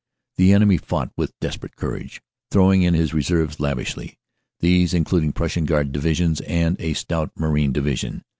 The enemy fought with desperate courage, throwing in his reserves lavishly, these including Prussian Guard divisions and a stout Marine division.